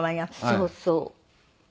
そうそう。